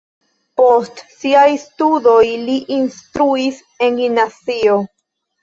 Post siaj studoj li instruis en gimnazio.